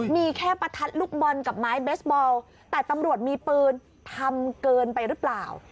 มีแค่ประทัดลูกบอลกับไม้เบสบอลแต่ตำรวจมีปืนทำเกินไปหรือเปล่า